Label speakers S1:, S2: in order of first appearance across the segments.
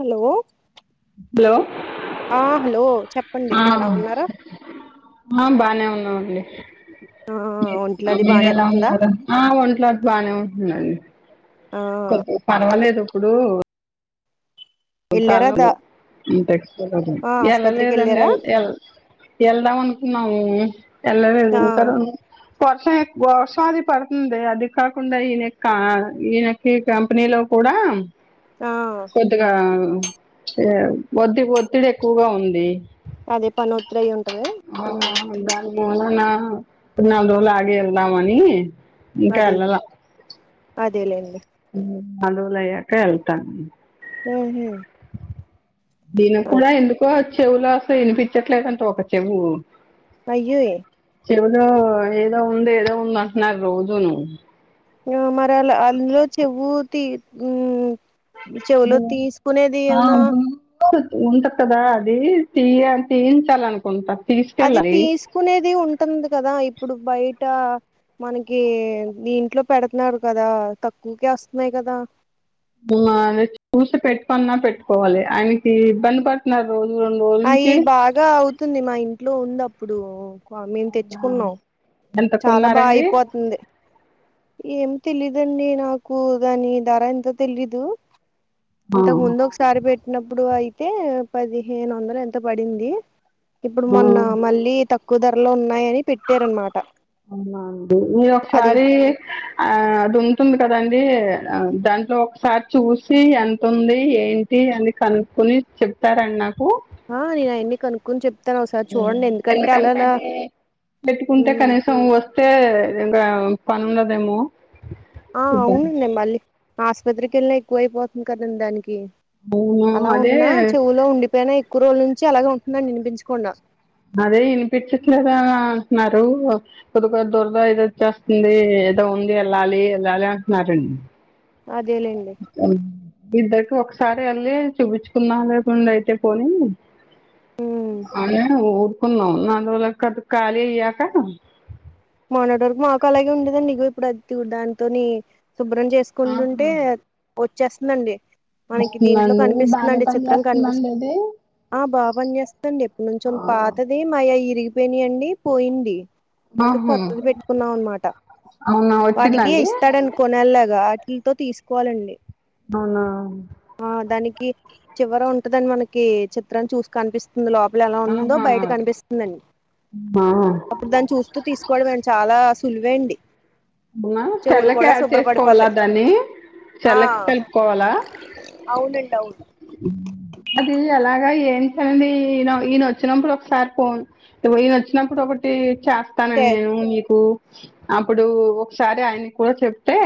S1: Hello
S2: లో
S1: ఆ hello చెప్పండి ఎలా ఉన్నారు
S2: ఆ బానే ఉన్నామండి
S1: ఆ
S2: మీ
S1: ఒంట్లో
S2: ఆ
S1: అది బానే
S2: మీరెలా
S1: ఉంటుందా
S2: ఉన్నారు ఆ ఒంట్ల అట్ బానే ఉంటుందండి
S1: ఆ
S2: కొంచెం పర్వాలేదు ఇప్పుడు
S1: ఎళ్ళారా దా ఆ
S2: ఎల
S1: ఆస్పత్రికి
S2: లేదండి
S1: ఎళ్ళారా
S2: ఎల్ ఎల్ ఎల్దమనుకున్నాము ఎలే లేదు
S1: ఆ
S2: ఇంకా రెండు వర్షం ఎక్ వర్షాది పడుతుంది అది కాకుండా ఈయన కా ఈయన ఈ కంపెనీలో కూడా
S1: ఆ
S2: కొద్దిగా ఏ ఒత్తి ఒత్తిడి ఎక్కువగా ఉంది.
S1: అదే పని ఒత్తిడి అయి ఉంటది
S2: ఆ గ మూలనా నాలుగు రోలు ఆగి ఎళ్దామని
S1: అదేలే అదేలేండి
S2: ఊ నలురోలు అయక వెళ్తాను
S1: ఊహు
S2: దీన కూడా ఎందుకో చెవులో అసలు వినిపించట్లేదంట ఒక చెవు
S1: పయ్యోయే
S2: చెవులో ఏదో ఉంది ఏదో ఉందంటున్నారు రోజు ను
S1: ఆ మరిలా అందులో చెవుతి ఉ చెవులో తీసుకునేది
S2: ఆ
S1: ఏమన్నా
S2: ఉంటది కదా అది తీయ తీయించాల అనుకుంటా
S1: అది తీసుకునేది ఉంటుంది కదా ఇప్పుడు బయట మనకి దీంట్లో పెడుతున్నారు కదా తక్కువకే వస్తున్నాయి కదా
S2: మా చూసి పెట్టుకొన్నా పెట్టుకోవాలి ఆయనకి ఇబ్బంది పడు న రోజు రెండు రోలు
S1: అయి బాగా అవుతుంది మా ఇంట్లో ఉందప్పుడు క్వ మేము తెచ్చుకున్నాం
S2: ఎంత
S1: చాలా బా
S2: కొన్నారండి
S1: అయిపోతుంది ఏమి తెలీదండి నాకు దాని ధర ఎంత తెలీదు
S2: ఆ
S1: ఇంతకు ముందు ఒకసారి పెట్టినప్పుడు అయితే పదిహేను ఒందలు ఎంతో పడింది ఇప్పుడు
S2: ఆ
S1: మొన్న మళ్ళీ తక్కువ ధరలో ఉన్నాయని పెట్టారనమాట
S2: అవునా అండి మీరు
S1: అది
S2: ఒకసారి ఆ అది ఉంటుంది కదండి ఆ దాంట్లో ఒకసారి చూసి ఎంత ఉంది ఏం తీ అని కనుకుని చెప్తారండి నాకు
S1: ఆ నేను ఆయన్ని కనుకోని చెప్ప
S2: హ్ ఎందుకంటే అది పెట్టుకుంటే కనీసం వస్తు టే ఇంక పనున్నదేమో
S1: ఆ అవునండి మళ్ళీ ఆసుపత్రికి వెళ్ళిన ఎక్కువ అయిపోతుంది కదండి దానికి
S2: అవును.
S1: అలా
S2: అదే,
S1: ఉన్నా చెవులో ఉండిపోయిన ఎక్కువ రోజుల నుంచి అలాగే ఉంటుందని యినిపించకుండా
S2: అదే వినిపించట్లేదా అంటున్నారు. కొద్ది కొద్దిగ దూరద ఇద వచ్చేస్తుంది ఏదో ఉంది వెళ్ళాలి వెళ్ళాలి అంటున్నారండి.
S1: అదేలేండి
S2: ఇద్దరికి ఒకసారి యెళ్ళి చూపించుకున్నా లేకుండా అయితే పోని
S1: ఉమ్
S2: అని ఊరుకున్నాం నాలుగు రోజులకు [unintelligible] ఖాళీ అయ్యాక
S1: మొన్నటి వరకు మాకు అలాగే ఉండేదండి ఇగో ఇప్పుడు అచుడ్ దాన్నతోని శుభ్రం చేస్త
S2: ఆహా
S1: కుండుంటే వచ్చేస్తుందండి. మనకి దీంట్లో
S2: వస్తుందండి బానే
S1: కనిపిస్తుందండి
S2: పని
S1: చిత్రం
S2: చేస్తుందండి
S1: కనిపిస్తుంది.
S2: అది
S1: ఆ బాపని చేేస్తదండి ఎప్పుడు నుంచో పాతది మాయయి ఇరిగిపోయినయండి పోయింది. అందుకు
S2: ఆహా
S1: కొత్తది పెట్టుకున్నాం అనమాట
S2: అవునా
S1: వాటికి
S2: వచ్చిందండి
S1: ఇస్తాడని కొనేలాగా వాటిలతో తీసుకోవాలండి.
S2: అవునా
S1: ఆ దానికి చివర ఉంటదని మనకి చిత్రాం చూసు కనిపిస్ లోపల ఎలా ఉందో
S2: ఆహా
S1: బయట కనిపిస్తుందండి
S2: ఆ
S1: అప్పుడు దాన్ని చూ స్తు తీసుకోవడమే అండి చాలా సులువే అండి
S2: అమ్మా
S1: చెవులు
S2: సెల్లకి
S1: కూడా
S2: యాడ్
S1: శుభ్రపడిపోతాయి
S2: చేసుకోవాల దాన్ని
S1: ఆ
S2: సెల్లక్ కలుపుకోవాలా.
S1: అవునండి అవున్
S2: అది ఎలాగ ఏంటండి ఈయన ఈయన వచ్చినప్పుడు ఒకసారి ఫోన్ ఈయన వచ్చినప్పుడు ఒకటి చెస్
S1: చే
S2: స్తానండి నేను నీకు అప్పుడు ఒకసారి ఆయన కూడా చెప్తే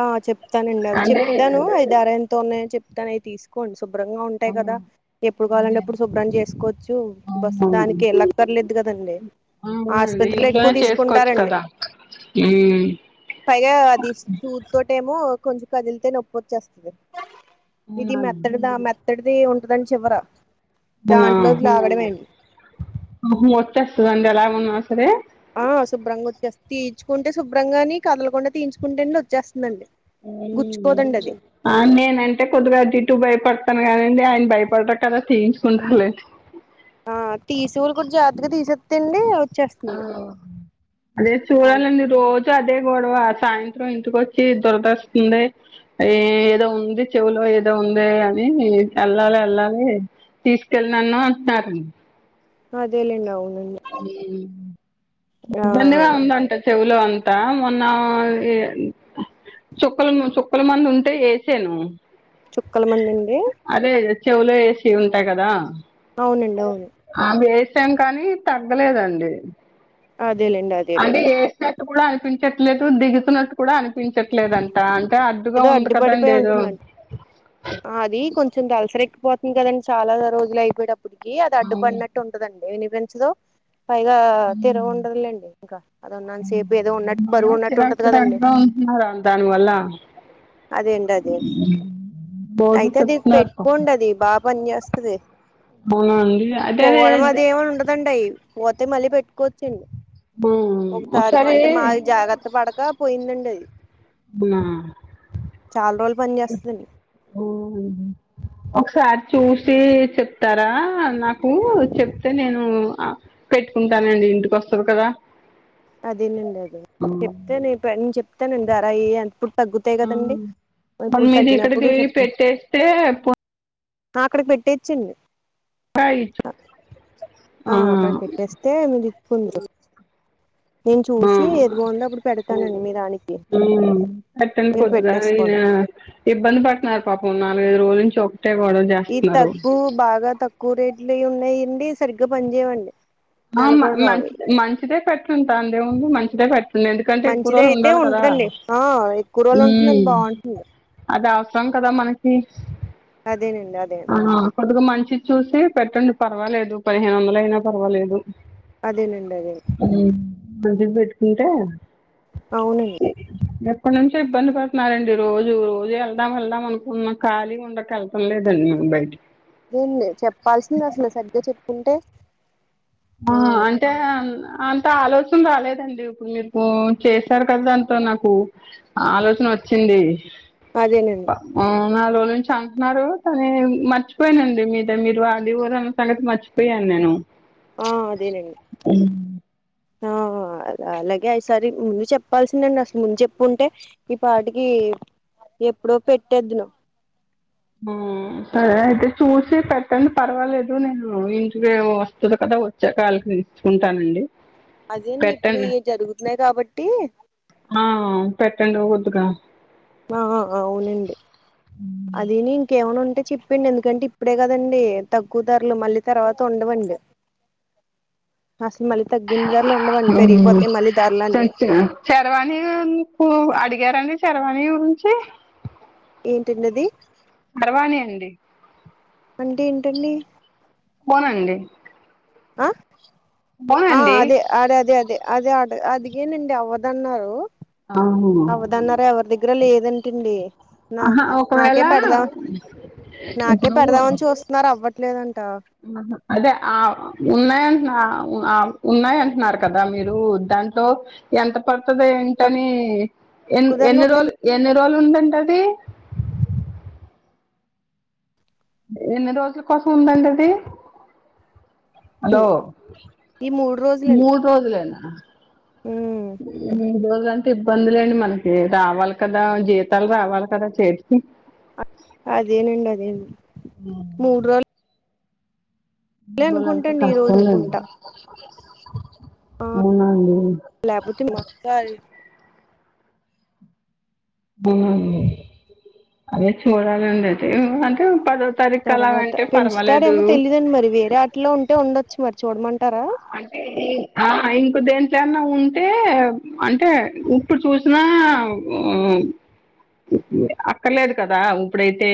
S1: ఆ చెప్తానండి అవి
S2: అంటే
S1: చెప్తాను అవి ధర ఎంతో ఉన్నాయని చెప్తాను అవి తీసుకు కోండి శుభ్రంగా ఉంటాయి కదా
S2: అదే
S1: ఎప్పుడు కావాలంటే
S2: అండి
S1: అప్పుడు శుభ్రన్ని చేసుకోవచ్చు బస్
S2: అవును
S1: దానికి ఎలా పర్లేదు కదండి
S2: అవునండి
S1: ఆసుపత్రిలో ఎక్కువ తీసుకుంటారండి
S2: ఊమ్
S1: పైగా అది స్ సూద్తోటేమో కొంచెం కదిలితే నొప్పోచ్చేస్తది ఇది
S2: అవునండి
S1: మెత్తడిదా మెత్త మెత్తడిది ఉంటుదని చివర దాంట్లోంచి లాగడంమే అండి
S2: వచ్చేస్తదా అండి అలా ఉన్ సరే
S1: ఆ శుభ్రంగా వచ్చే తీయిచుకుంటే శుభ్రంగాని కదల కుండా తీయించుకుంటే వచ్చేస్తుందండి.
S2: ఉమ్
S1: గుచ్చుకోదండి అది
S2: నేనంటే కొద్దిగా అటు ఇటు భయపడతాను కానీండి ఆయన భయపడరు కదా తీయించుకుంటారులే.
S1: ఆ తీసెవాళ్ళు కూడా జాత్తగా తీసేస్తే అండి వచ్చేస్త
S2: అదే
S1: అది
S2: చూడాల రోజు అదే గొడవ సాయంత్రం ఇంటికొచ్చి దొరదస్తుంది. ఏదో ఉంది చెవులో ఏదో ఉందే అని యెళ్లాలె యెళ్ళాలి తీసుకెళ్ళనన్ను అంటారు
S1: అదేలేండి అవునం
S2: ఇబ్బందిగా ఉందంట. చెవులో అంతా మొన్న చుక్కల చుక్కల మంది ఉంటే వేసాను.
S1: చుక్కల మందుండే
S2: అదే చెవులో ఏసేవి ఉంటాయి కదా
S1: అవునండి అవును
S2: అవి వేసాం కానీ తగ్గలేదండి
S1: అదేలేండి
S2: అంటే
S1: అదేలేండి
S2: వేస్తే కూడా అనిపించట్లేదు దిగుతున్నట్టు కూడా అనిపించట్లేదంట అంటే అడ్డుగా
S1: ఏదో
S2: ఉంది
S1: అడ్డు
S2: కదండి
S1: పడిపోయి
S2: ఏదో
S1: ఉంటుందండి అది కొంచెం దలసరెక్కిపోతుంది కదండి చాలా రోజులు అయిపోయేటప్పటికి అది అడ్డుపడినట్టు ఉంట దండి వినిపించదు పైగా తెర ఉండదులేండి ఇంకా అది ఉన్నంతసేపు ఏదో ఉన్నట్టు బరువు ఉన్నట్టు ఉంటది కదండి
S2: ప్రమాదం దాని వల్ల
S1: అదేండి అది
S2: రోజు
S1: అయితే అది
S2: చెప్తున్నారు పాపం
S1: పెట్టుకోండి అది బాగా పని చేస్తాది
S2: అవునా అండి అదే
S1: పోవడం
S2: అదే
S1: అది ఏమీ ఉండదండి అయి పోతే మళ్ళీ పెట్టుకోవచ్చండి. ఒకసారి అంటే మాది జాగ్రత్త పడక పోయిందండి అది
S2: హా
S1: చాలా రోజులు పని చేస్తదండి
S2: ఉమ్ ఒకసారి చూసి చెప్ తరా నాకు చెప్తే నేను అ పెట్టుకుంటానండి ఇంటికి వొస్తది కదా
S1: అదేనండి అదే
S2: ఆ,
S1: చెప్తాను నేను చెప్తానండి ధర అయి ఎంత తగ్గుతాయి కదండి
S2: మన
S1: ఇప్పుడు
S2: మీద
S1: తగ్గినప్పుడు
S2: ఇక్కడికి
S1: చెప్తాను
S2: పెట్టేస్తే
S1: ఆ అక్కడికి పెట్టేయచ్చండి
S2: ఆ
S1: ఏంది దిక్కుంది బాగుందో అప్పుడు పెడతానండి మీ దానికి
S2: ఆ అట్టనే
S1: మీరు
S2: కొద్తుగా అయినా
S1: పెట్టేసుకోండి
S2: ఇబ్బంది పడుతున్నారు పాపం నాలుగైదు రోజుల నుంచి ఒక ఒకటే గొడవ చేస్
S1: ఈ తక్కువ బాగా తక్కువ రేట్లవి ఉన్నాయండి సరిగ్గా పనిచేయవండి నెల కూడా రావు
S2: మంచి మంచిదే పెట్టుంటా అందే ముంది మంచిదే పెట్టు ఎందుకు అంటే ఎక్కువ
S1: మంచిది
S2: రోజులు
S1: అయితే
S2: ఉండాలి కదా
S1: ఉంటదండి ఆ ఎక్కువ రోజులు ఉంటుందండి బాగుంటుంది
S2: అది అవసరం కదా మనకి
S1: అదేనండి అదేండి
S2: ఆ కొద్దిగా మంచిది చూసి పెట్టండి పర్వాలేదు పదిహేను వందలు అయినా పర్వాలేదు
S1: అదేనండి అదే
S2: ఆ మంచిది పెట్టుకుంటే
S1: అవునండి
S2: ఎప్పటి నుంచో ఇబ్బంది పడుతున్నారండి రోజు ఉదయం వెళ్దాం వెళ్దాం అనుకున్న కాళీ ఉండక ఎల్ టమ్ లేదండి బయటకి
S1: ఏంది చెప్పాలిసింది అసలు సరిగ్గా చెప్పింటే
S2: ఆ అన్ అంటే అంత ఆలోచన రాలేదండి ఇప్పుడు మీకు చేసారు కదా దంతో నాకు ఆలోచన వచ్చింది
S1: అదేనండి
S2: ఆ నాలుగు రోజుల నుంచి అంటున్నారు కానీ మర్చిపోయినండి మీద మీరు ఆది ఊన్నరు అన్న సంగతి మర్చిపోయ పోయాను నేను
S1: ఆ అదేనండి
S2: ఉమ్.
S1: ఆ ఆ అలాగే ఈ సారి ముందు చెప్పాల్సిందండి అసలు ముందు చెప్పుంటే ఈ పాటికి ఎప్పుడో పెట్టెద్దును.
S2: ఆ, సరే అయితే చూసి పెట్టండి పర్వాలేదు నేను ఇంటికే వస్తున్న కదా వ చ్చాక ఆళ్ళకు నేను ఇచ్చుకుంటానండి.
S1: అదేన్ని ఇప్పుడు
S2: పెట్టండి
S1: ఇయి జరుగుతున్నాయి కాబట్టి
S2: ఆ పెట్టండి వద్దుగా
S1: ఆ ఆ అవునండి. అదేని ఇంకేమన్నా ఉంటే చెప్పండి, ఎందుకంటే ఇప్పుడే కదండి తక్కువ ధరలు మళ్ళీ తర్వాత ఉండవండి. అసలు మళ్ళీ తగ్గిన ధరలు ఉండవండి పెరిగిపోతయి మళ్ళీ ధరలు అన్నీ.
S2: శరవాణికు అడిగారండి, శరవాణి గురించి.
S1: ఏంటండి అది,
S2: చరవాణి అండి
S1: అంటే ఏంటండి?
S2: పోనండి.
S1: ఆ ఆ
S2: పోనండి
S1: అదే అడే అదే అదే. అదే అ అడిగానండి అవ్వదన్నారు. అవ్వదన్నారా, ఎవరి దగ్గర లేదంట అండి. నా
S2: ఆహా,
S1: నాకే
S2: ఒకవేళ
S1: పెడదాం నాకే
S2: ఇప్పుడు
S1: పెడదామని చూస్ తున్నారు అవ్వట్లేదంటా.
S2: ఆహా అదే ఆ ఉన్నాయంటున్నా ఆ ఆ ఉన్నాయి అంటున్నారు కదా మీరు దాం తో ఎంత పడుతదో ఏంటని ఎ
S1: తక్కువ ధరలు
S2: ఎన్ని రోజులు ఎన్ని రోజులు ఉందంట అది. ఎన్ని రోజుల కోసం ఉందండి అది.
S1: ఉన్నాయండి ఈ మూడు రోజులండి
S2: మూడు రోజులేనా
S1: ఉమ్
S2: మూడు రోజులు అం టే ఇబ్బంది లేండి మనకి రావాలి కదా జీతాలు రావాలి కదా చేతికి.
S1: అదేనండి అది.
S2: ఆ
S1: మూడు రోలు
S2: బలంటే
S1: అనుకుంటాండి ఈ రోజు
S2: కష్టం లేండి,
S1: అనుకుంటా
S2: అవునా అండీ.
S1: లేకపోతే మ క్ గారే
S2: అవునండి అదే చూడాలండి అయితే అంటే పద
S1: తర్వాత పెంచుతాడేమో తెలీయదండి మరి, వేరే ఆటిలో ఉంటే ఉండొచ్చు మరి చూడమంటారా.
S2: అంటే ఆ ఇంక దేంట్నన్నా ఉంటే అంటే ఇప్పుడు చూసినా అక్కర్లేదు కదా ఉప్పుడైతే.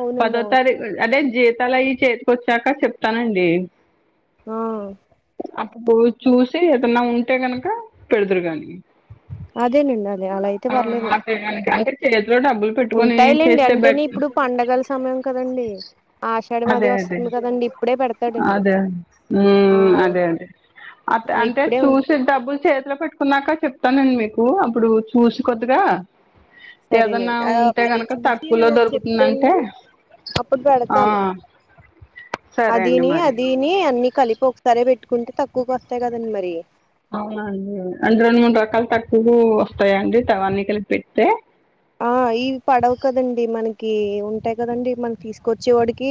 S1: అవునండి
S2: పదో
S1: అవును
S2: తారీఖు అదే జీతాలు అయి చేతికి వచ్చాక చెప్తానండి.
S1: ఆ
S2: అప్పుడు చూసి ఏదన్నా ఉంటే గనుక పెడుదురుగానీ.
S1: అదేనండి అదే అలా అయితే పర్లేదండి,
S2: అదే గనక అంటే చేతిలో డబ్బులు పెట్టుకొని
S1: ఉంటాయిలేండి
S2: చేస్తే
S1: అంటేనే
S2: బెట్
S1: ఇప్పుడు పండగలు సమయం కదండీ, ఆషాఢ
S2: అదే
S1: మది
S2: అదే
S1: వస్తుంది కదండి ఇప్పుడే పెడతాడండి.
S2: అదే
S1: ఆ
S2: అదే అదే అ
S1: ఆ
S2: అంటే
S1: ఇప్పుడే ఉంది
S2: చూసి డబ్బులు చేతిలో పెట్టుకున్నాక చెప్తానండి మీకు అప్పుడు చూశి కొద్దిగా ఏదన్నా
S1: సరేనండి ఆ
S2: ఉంటే
S1: అది
S2: గనుక
S1: చూసి మీరు
S2: తక్కువలో
S1: నాకు చెప్తే
S2: దొరుకుతుందంటే
S1: అండి అప్పుడు
S2: ఆ
S1: పెడతాను
S2: సరే అండి
S1: అదీని
S2: మరి
S1: అదీని అన్ని కలిపి ఒ సరే పెట్టుకుంటే తక్కువకు వత్తాయి కదండి మరి.
S2: అవునండి అంటే రెండు మూడు రకాలు తక్కువూస్తాయండి తవాన్నికలు పెడ్తే
S1: ఆ ఈవ్ పడవు కదండి మనకి ఉంటాయి కదండి మనం తీసుకొచ్చేవాడికి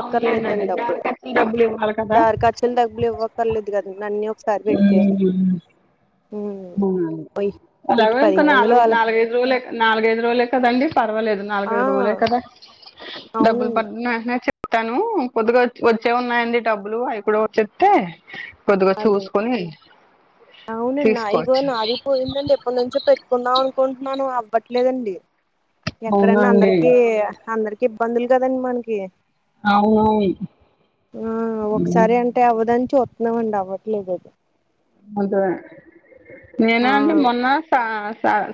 S2: అవునండి అదే
S1: డబ్బు
S2: దారి ఖర్చులు డబ్బులు ఇవ్వాలి కదా
S1: దారి ఖర్చుల్ డబ్బులి వ్వక్కర్లేదు గదండి అన్ని
S2: ఊహు
S1: ఉమ్ ఇటు
S2: రవైంక
S1: పదిహేను వందలు అలా
S2: నాలుగైదు రోజులే కదండి పర్వాలేదు
S1: ఆ
S2: నాలుగైదు రోజూలే కదా డబ్బులు
S1: అవునండి
S2: పడ్నాఎంట్నె చె తను కొద్దిగా వచ్చే ఉన్నాయండి డబ్బులు అవి కూడా వచ్చే తే కొద్దిగా చూస్కొని
S1: అవును నా ఇగొ నాది పోయిందండి ఎప్పనుంచో పెట్కుందాం అనుకుంటున్నాను అవ్వట్లేదండి ఎక్కడన్నా
S2: అవునండి
S1: అందరికి ఇబ్బందులు గదండి మన్కి
S2: అవునవును
S1: అ ఒక్సారి అం టే అవ్వదని చూత్త్నమండి అవ్వట్లేదది
S2: అంటే
S1: ఆ
S2: నేనాఅండి మొన్న సా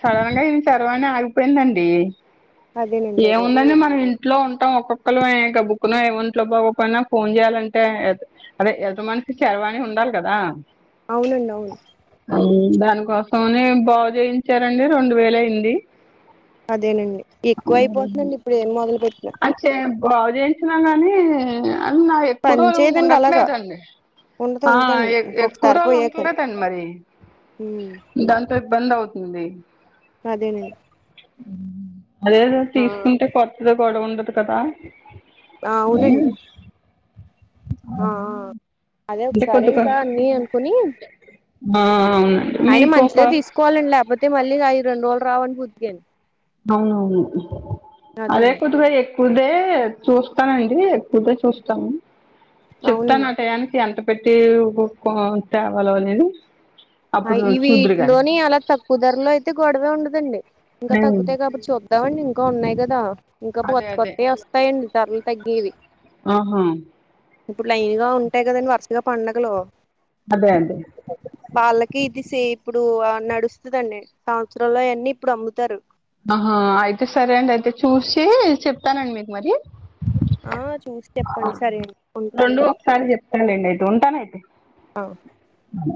S2: సడెన్గా ఇవి చర్వాని ఆగిపోయిందండి
S1: అదేనండి అదే
S2: ఏముందండి మన ఇంట్లో ఉంటాం ఒక్కొక్కళ్ళు ఎంక బుక్ను ఏమిట్లో బాగొపోయినా ఫోన్ జేయాలంటే అదే ఎటమన్షికి చరవాణి ఉండాలి కదా
S1: అవునండి అవును
S2: ఉ దాన్కోసమని బాగు చేయించారండి రెండు వేలైంది
S1: అదేనండి ఎక్కువ అయిపోతుందండి ఇప్పుడు ఏం మొదలు పెట్ట్న
S2: అచె బాగు చేయించినా కానీ అన్న ఎక్కువ
S1: పని
S2: రోజు
S1: చేయదండి అలాగా
S2: ఉండట్లేదండి
S1: ఉండదు
S2: అ
S1: ఉండదండి
S2: ఎక్కువరోళ్లు ఉంట్లేదన్ మరి
S1: ఉ
S2: దాంతో ఇబ్బంది అవుతుంది
S1: అదేన
S2: అదేదో తీస్కుంటే కొత్తది గొడవుండదు కదా
S1: ఆ అవునండి ఆ అదే
S2: అంటే
S1: ఒక్సారి
S2: కొద్దిగా
S1: ఇంకా అన్ని అన్కుని
S2: ఆ అవునండి
S1: ఐనా
S2: మీకు ఒక
S1: మంచిదే తీసుకోవాలండి లేపోతే మళ్ళ ఐ రెండుర్రోలు రావని బుద్గాని
S2: అవునువును అదే
S1: అదేనండి
S2: కుద్దుగా ఎ పోతే చూస్తానండీ, పొతే చూస్తాను,
S1: అవునండి
S2: చెప్తాను అటయాన్కి ఎంత. పెట్టే బొప్పావ్ తేవలో అనేది
S1: అ
S2: అప్పుడు
S1: ఇవీ
S2: చూద్దురు గాని
S1: ఈట్లోని అలా త కుదర్లో అయితే గొడవే ఉండదండి, ఇంకా
S2: హ్మ్.
S1: తగ్గుతాయ్ గాబట్టి చూద్దామండి ఇంకా ఉన్నాయ్ గదా. ఇంకా
S2: అదే అదే
S1: కొత్తకొత్త వస్తాయండి ధరలుతగ్గేవి
S2: ఆహా
S1: ఇప్పుడు లైన్ గా ఉంటాయి గదండి వరుసగా పండగలూ
S2: అదే అంటె
S1: వాళ్ళకీ ఇది సే ఇప్పుడు ఆ నడుస్తదండి సంవచ్చరంలోయన్నీ ఇప్పుడు అమ్ముతారు.
S2: ఆహా అయితే సరే అండి అయితే చూసి చెప్తానండి మీకు మరి
S1: ఆ చూసి చెప్పండి సరే అండి
S2: రెండు
S1: ఉంటానండి
S2: ఒకసారి చెప్తాలేండి ఐతే ఉంటాను ఐతే
S1: అ
S2: అ